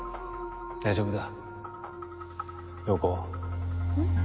大丈夫だ葉子ん？